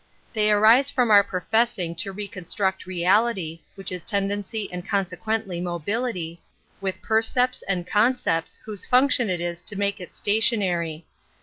They arise from our professing to reconstruct reality — ^which is tendency and consequently mobility — ^with percepts and concepts whose function it is to make it stationary.